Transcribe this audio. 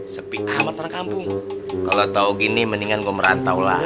cepetan aja lah anganya ah